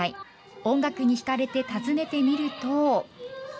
音楽に引かれて訪ねてみると。